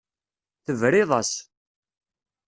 Tebriḍ-as.